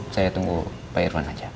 saya tunggu pak irvan aja